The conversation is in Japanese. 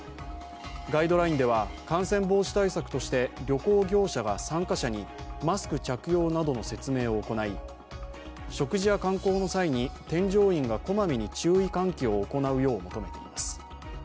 ガイドラインでは感染防止対策として旅行業者が参加者にマスク着用などの説明を行い食事や観光の際に添乗員が小まめに注意喚起を行うよう求めています。